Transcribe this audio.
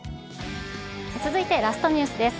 続いてラストニュースです。